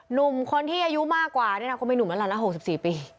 หนุ่มคนที่อายุมากกว่านี่นะก็ไม่หนุ่มแล้วล่ะนะ๖๔ปี